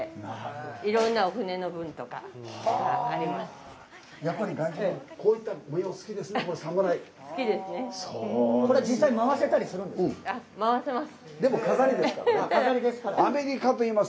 いろんなお船の模様とかあります。